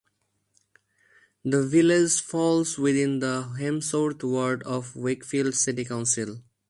The village falls within the Hemsworth ward of Wakefield City Council.